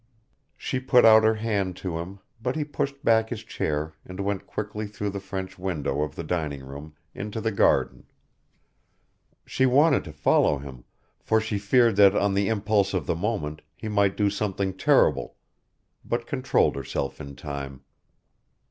She put out her hand to him but he pushed back his chair and went quickly through the French window of the dining room, into the garden. She wanted to follow him, for she feared that on the impulse of the moment he might do something terrible, but controlled herself in time.